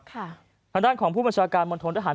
หันด้านบนการมทหาร